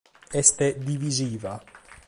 Est “divisiva”.